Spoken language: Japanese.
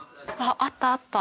あったあった。